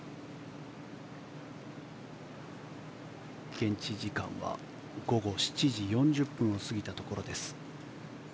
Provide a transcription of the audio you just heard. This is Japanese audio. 現地時間は午後７時４０分を過ぎたところです。